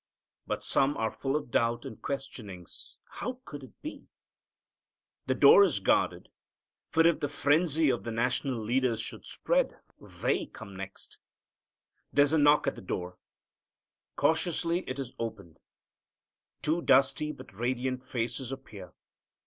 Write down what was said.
But some are full of doubt and questionings. How could it be? The door is guarded, for if the frenzy of the national leaders should spread, they come next. There's a knock at the door. Cautiously it is opened. Two dusty but radiant faces appear.